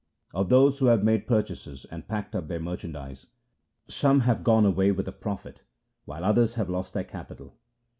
1 Of those who have made purchases and packed up their merchandise, Some have gone away with a profit 2 while others have lost their capital.